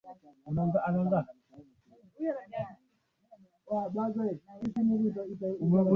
hii ilikuwa ya spishi moja Angelim vermelho Dinizia Exelsa